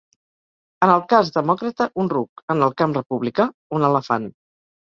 En el cas demòcrata, un ruc; en el camp republicà, un elefant.